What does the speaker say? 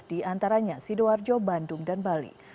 di antaranya sidoarjo bandung dan bali